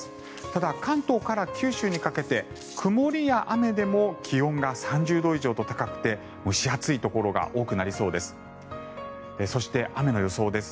ただ、関東から九州にかけて曇りや雨でも気温が３０度以上と高くて蒸し暑いところが多くなりそうです。